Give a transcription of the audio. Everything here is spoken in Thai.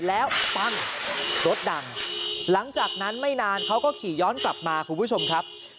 แล้วปั้งรถดังหลังจากนั้นไม่นานเขาก็ขี่ย้อนกลับมาคุณผู้ชมครับ